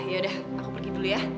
yaudah aku pergi dulu ya